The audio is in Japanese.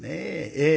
ええ。